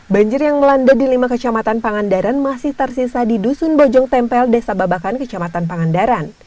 banjir yang melanda di lima kecamatan pangandaran masih tersisa di dusun bojong tempel desa babakan kecamatan pangandaran